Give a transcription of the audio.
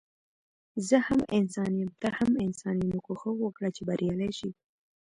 زه هم انسان يم ته هم انسان يي نو کوښښ وکړه چي بريالی شي